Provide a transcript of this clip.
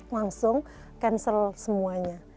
langsung cancel semuanya